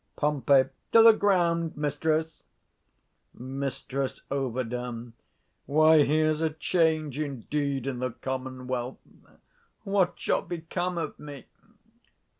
Pom. To the ground, mistress. Mrs Ov. Why, here's a change indeed in the commonwealth! What shall become of me?